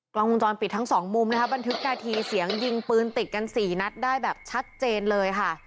กล้องวงจรปิดทั้งสองมุมนะคะบันทึกนาทีเสียงยิงปืนติดกันสี่นัดได้แบบชัดเจนเลยค่ะ